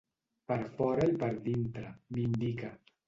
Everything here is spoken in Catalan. Per fora i per dintre —m'indica.